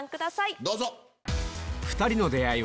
どうぞ！